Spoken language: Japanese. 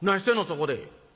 そこで」。